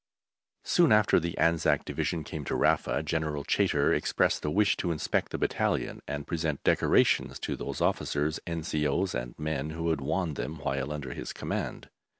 Soon after the Anzac Division came to Rafa, General Chaytor expressed a wish to inspect the battalion and present decorations to those officers, N.C.O.s, and men who had won them while under his command.